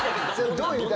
どういう歌？